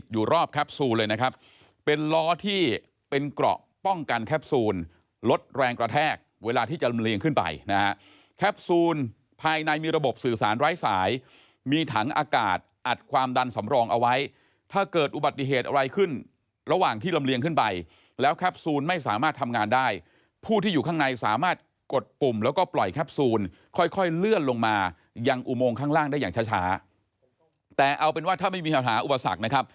อยู่รอบแคปซูลเลยนะครับเป็นล้อที่เป็นเกราะป้องกันแคปซูลลดแรงกระแทกเวลาที่จะลำเลียงขึ้นไปนะฮะแคปซูลภายในมีระบบสื่อสารไร้สายมีถังอากาศอัดความดันสำรองเอาไว้ถ้าเกิดอุบัติเหตุอะไรขึ้นระหว่างที่ลำเลียงขึ้นไปแล้วแคปซูลไม่สามารถทำงานได้ผู้ที่อยู่ข้างในสามารถกดปุ่มแล้วก